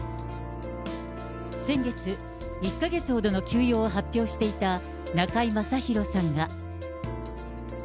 先月、１か月ほどの休養を発表していた中居正広さんが。